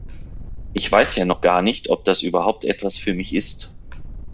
Ich weiß ja noch gar nicht, ob das überhaupt etwas für mich ist.